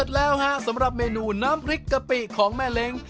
แล้วฮะสำหรับเมนูน้ำพริกกะปิของแม่เล้ง